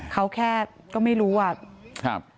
เขาแค่ก็ไม่รู้อ่ะ